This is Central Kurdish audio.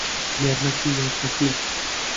یارمەتی! یارمەتی!